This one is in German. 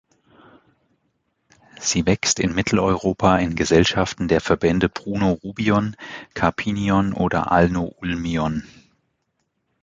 Sie wächst in Mitteleuropa in Gesellschaften der Verbände Pruno-Rubion, Carpinion oder Alno-Ulmion.